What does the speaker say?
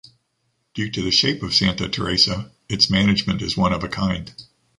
Due to the shape of Santa Teresa, its management is one of a kind.